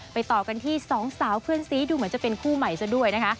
ต่อกันที่สองสาวเพื่อนซีดูเหมือนจะเป็นคู่ใหม่ซะด้วยนะคะ